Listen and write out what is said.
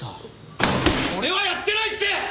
俺はやってないって！